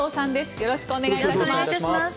よろしくお願いします。